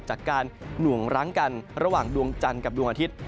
จากการหน่วงรั้งกันระหว่างดวงจันทร์กับดวงอาทิตย์